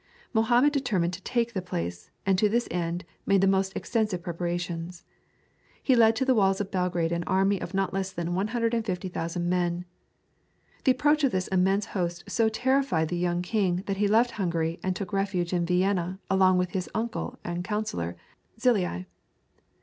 Mohammed determined to take the place, and to this end made the most extensive preparations. He led to the walls of Belgrade an army of not less than 150,000 men. The approach of this immense host so terrified the young king that he left Hungary and took refuge in Vienna along with his uncle and counsellor, Czillei.